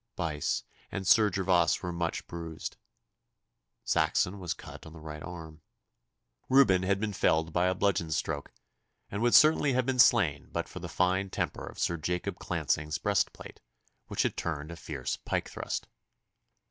Buyse and Sir Gervas were much bruised. Saxon was cut on the right arm. Reuben had been felled by a bludgeon stroke, and would certainly have been slain but for the fine temper of Sir Jacob Clancing's breastplate, which had turned a fierce pike thrust.